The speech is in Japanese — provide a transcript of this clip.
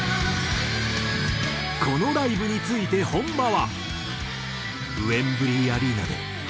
このライブについて本間は。